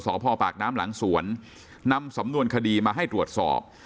พ่อปากน้ำหลังสวนนำสำนวนคดีมาให้ตรวจสอบ